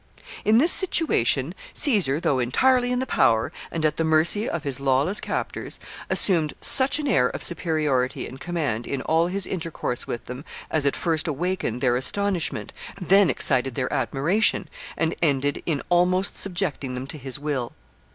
] In this situation, Caesar, though entirely in the power and at the mercy of his lawless captors, assumed such an air of superiority and command in all his intercourse with them as at first awakened their astonishment, then excited their admiration, and ended in almost subjecting them to his will.